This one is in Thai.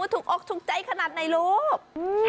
ถูกออกถูกใจขนาดไหนลูก